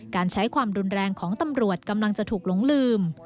การใช้ความรุนแรงของตำรวจกำลังจะถูกหลงลืม